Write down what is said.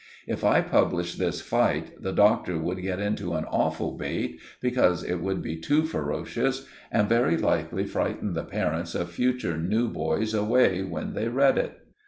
If I published this fight, the Doctor would get into an awful bate, because it would be too ferocious, and very likely frighten the parents of future new boys away when they read it."